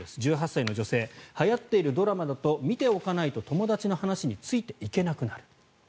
１８歳の女性はやっているドラマだと見ておかないと友達の話についていけなくなる。